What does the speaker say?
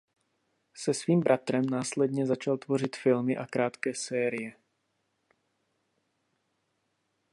Se svým bratrem následovně začal tvořit filmy a krátké série.